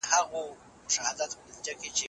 ما د تېر کال راهیسې په دې موضوع کار کاوه.